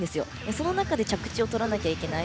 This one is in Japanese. その中で着地を取らないといけない。